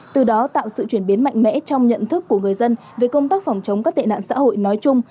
từ đó tạo sự chuyển biến mạnh mẽ trong nhận thức của người dân về công tác phòng chống các tệ nạn xã hội nói chung